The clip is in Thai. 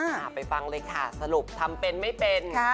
ไปฟังเลยค่ะสรุปทำเป็นไม่เป็น